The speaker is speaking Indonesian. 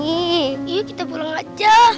iya kita pulang aja